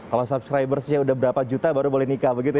kalau subscriber sih udah berapa juta baru boleh nikah begitu ya